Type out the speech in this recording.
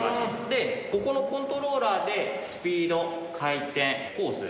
でここのコントローラーでスピード回転コース